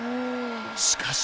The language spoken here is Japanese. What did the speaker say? しかし。